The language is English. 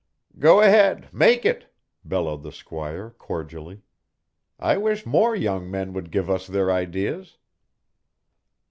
"Go ahead, make it," bellowed the squire cordially. "I wish more young men would give us their ideas."